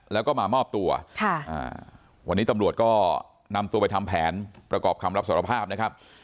แล้วก็มามอบตัววันนี้ตำรวจก็นำตัวไปทำแผนประกอบคำรับสารภาพนะครับ